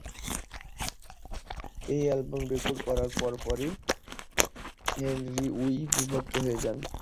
এই album record করার পরপরই হেনরি কাউ বিভক্ত হয়ে যান।